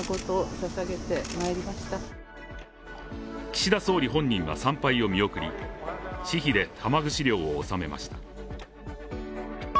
岸田総理本人は参拝を見送り私費で玉串料を納めました。